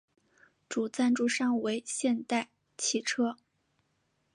主赞助商为现代汽车。